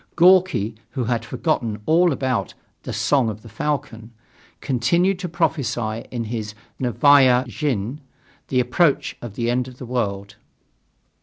Gorki, who had forgotten all about "The Song of the Falcon," continued to prophesy in his Novaya Zhizn the approach of the end of the world.